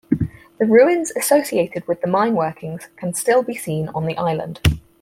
The ruins associated with the mineworkings can still be seen on the island.